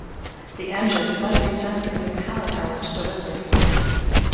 The engine must be sent using palletized delivery.